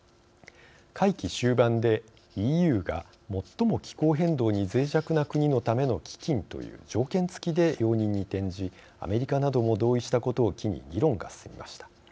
会期終盤でＥＵが最も気候変動にぜい弱な国のための基金という条件付きで容認に転じアメリカなども同意したことを機に議論が進みました。